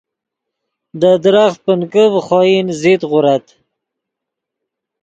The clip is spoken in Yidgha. دے درخت پنکے ڤے خوئن زت غورت